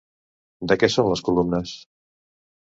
De què són les columnes?